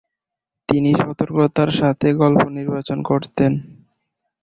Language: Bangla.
তিনি সতর্কতার সাথে গল্প নির্বাচন করতেন।